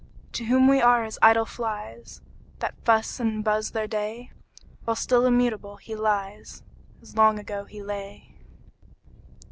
To whom we are as idle flies, That fuss and buzz their day; While still immutable he lies, As long ago he lay.